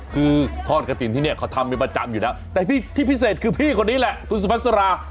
คือทอดกระถิ่นที่นี่เขาทำเป็นประจำอยู่แล้วแต่ที่พิเศษคือพี่คนนี้แหละคุณสุพัสรา